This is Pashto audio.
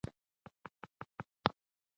دا انرژي پاکه پاتې کېږي.